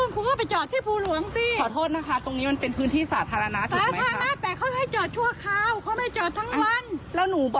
ขอโทษคุณเสียหายฉันไม่รับผิดชอบนะ